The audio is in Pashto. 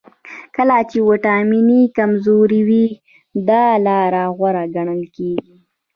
کله چې وړتیاوې کمزورې وي دا لاره غوره ګڼل کیږي